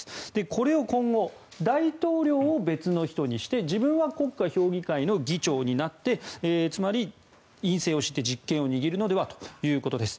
これを今後大統領を別の人にして自分は国家評議会の議長になってつまり院政を敷いて実権を握るのではということです。